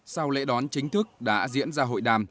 sau lễ đón chính thức đã diễn ra hội đàm